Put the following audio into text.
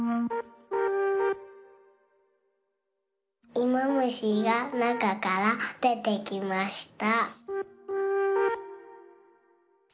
いもむしがなかからでてきました。